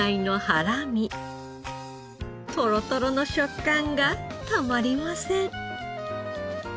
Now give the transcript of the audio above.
とろとろの食感がたまりません。